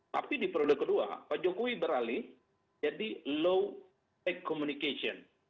tapi di periode kedua pak jokowi beralih jadi low tech communication